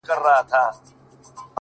دا سړی گوره چي بيا څرنگه سرگم ساز کړي!